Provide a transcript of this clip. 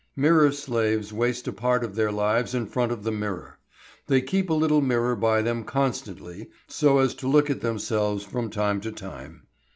Mirror slaves waste a part of their lives in front of the mirror. They keep a little mirror by them constantly so as to look at themselves from time to time.